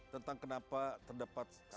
tentang kenapa terdapat semacam